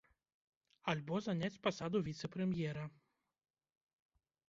Альбо заняць пасаду віцэ-прэм'ера.